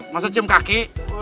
maksudnya cium kaki